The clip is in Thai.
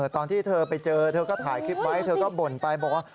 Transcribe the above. ตอนที่เธอไปเจอเธอก็ถ่ายคลิปไว้เธอก็บ่นไปบอกว่า